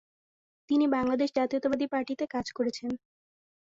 তিনি বাংলাদেশ জাতীয়তাবাদী পার্টিতে কাজ করেছেন।